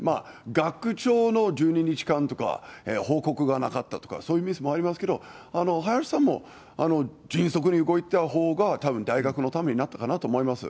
学長の１２日間とか、報告がなかったとか、そういうミスもありますけど、林さんも迅速に動いたほうが、たぶん大学のためになったかなと思います。